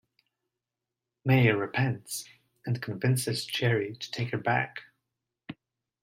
Mae repents and convinces Jerry to take her back.